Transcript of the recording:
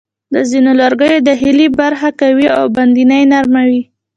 د ځینو لرګیو داخلي برخه قوي او باندنۍ نرمه وي.